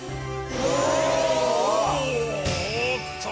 おっと！